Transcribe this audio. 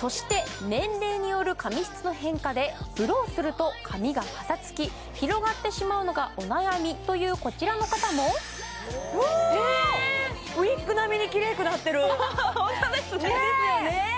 そして年齢による髪質の変化でブローすると髪がパサつき広がってしまうのがお悩みというこちらの方もへえウイッグ並みにキレイくなってるホントですねですよね